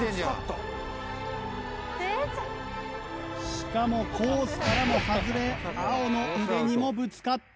しかもコースからも外れ青の腕にもぶつかった。